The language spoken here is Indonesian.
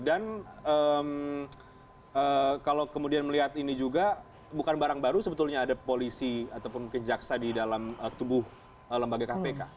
dan kalau kemudian melihat ini juga bukan barang baru sebetulnya ada polisi ataupun kejaksa di dalam tubuh lembaga kpk